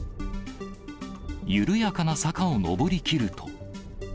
緩やかな坂を上りきると。